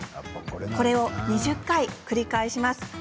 これを２０回、繰り返します。